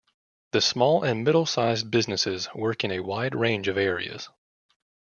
The small and middle-sized businesses work in a wide range of areas.